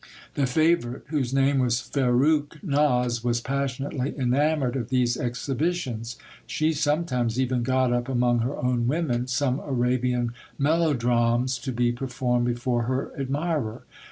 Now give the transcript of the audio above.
The favourite, whose name was Farrukhnaz, was passionately enamoured of these exhibitions ; she sometimes even got up among her own women some Arabian melodrames to be performed before her admirer.